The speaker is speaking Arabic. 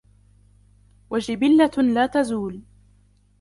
وَجِبِلَّةً لَا تَزُولُ